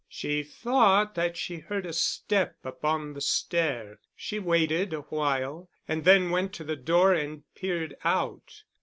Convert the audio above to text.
She thought that she heard a step upon the stair. She waited a while and then went to the door and peered out.